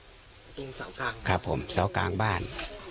ตรงเสากลางบ้านครับครับผมเสากลางบ้าน